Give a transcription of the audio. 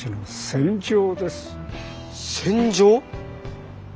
戦場？